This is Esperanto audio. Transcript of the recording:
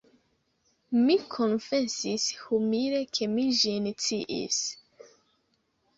Mi konfesis humile, ke mi ĝin sciis.